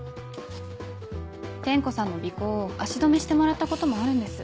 天子さんの尾行を足止めしてもらったこともあるんです。